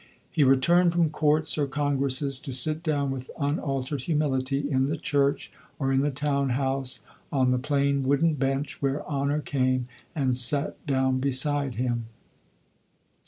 He returned from courts or congresses to sit down with unaltered humility, in the church or in the town house, on the plain wooden bench, where Honor came and sat down beside him."